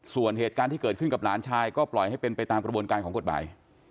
ส่วนเหตุการณ์ที่เกิดขึ้นกับหลานชายก็ปล่อยให้เป็นไปตามกระบวนการของกฎหมาย